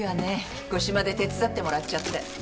引っ越しまで手伝ってもらっちゃって。